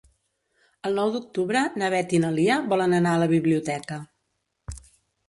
El nou d'octubre na Beth i na Lia volen anar a la biblioteca.